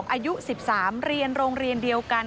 อายุ๑๓เรียนโรงเรียนเดียวกัน